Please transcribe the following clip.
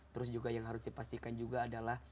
terus juga yang harus dipastikan juga adalah